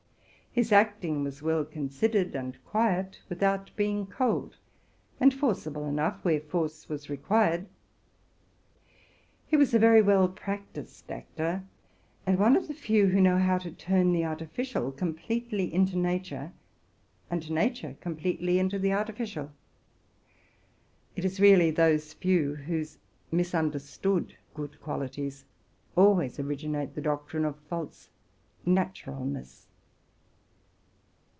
His acting was well considered and quiet, without being cold, and forci ble enough where force was required. He was a very well practised actor, and one of the few who know how to turn the artificial completely into nature, and nature completely into the artificial. It is really those few whose good quali ties, being misunderstood, always originate the doctrine of false '* naturalness."